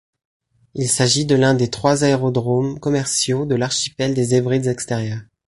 Il s'agit de l'un des trois aérodromes commerciaux de l'archipel des Hébrides extérieures.